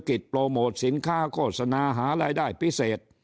โปรโมทสินค้าโฆษณาหารายได้พิเศษ